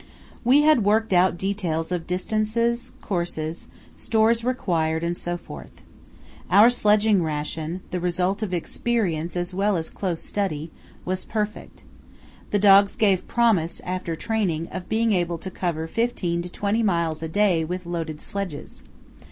We had worked out details of distances, courses, stores required, and so forth. Our sledging ration, the result of experience as well as close study, was perfect. The dogs gave promise, after training, of being able to cover fifteen to twenty miles a day with loaded sledges.